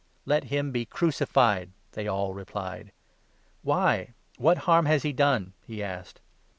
" Let him be crucified," they all replied. " Why, what harm has he done ?" he asked.